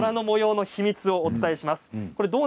とらの模様の秘密をお伝えします。